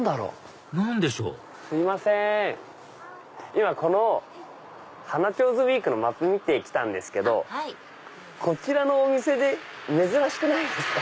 今この「花手水ｗｅｅｋ」のマップ見て来たんですけどこちらのお店珍しくないですか？